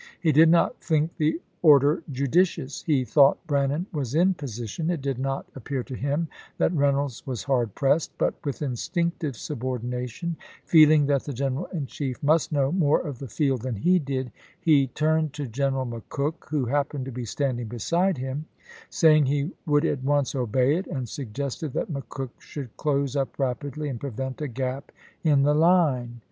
He did not think the order judicious ; he thought Brannan was in position ; it did not ap pear to him that Reynolds was hard pressed, but with instinctive subordination, feeling that the Greneral in Chief must know more of the field than he did, he turned to General McCook, who happened to be standing beside him, saying he would at once obey it, and suggested that Mc Cook should close up rapidly and prevent a gap in the line.